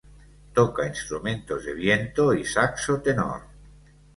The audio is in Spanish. Toca instrumentos de viento y saxo tenor.